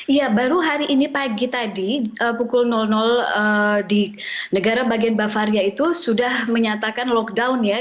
iya baru hari ini pagi tadi pukul di negara bagian bavaria itu sudah menyatakan lockdown ya